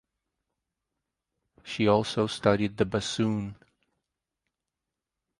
She also studied the bassoon.